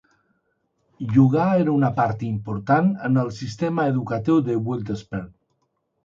Jugar era una part important en el sistema educatiu de Wilderspin.